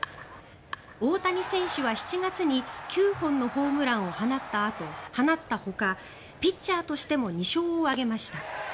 大谷選手は７月に９本のホームランを放ったほかピッチャーとしても２勝を挙げました。